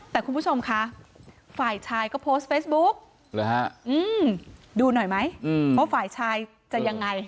แต่คุณผู้ชมคะฝ่ายชายก็โพสต์เฟซบุ๊กดูหน่อยไหมว่าฝ่ายชายจะยังไง